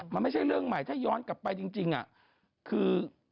มันไม่ใช่เรื่องใหม่ถ้าย้อนกลับไปจริงคือ